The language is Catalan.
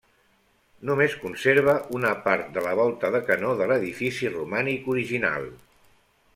Només conserva una part de la volta de canó de l'edifici romànic original.